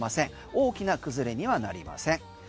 大きな崩れにはなりません。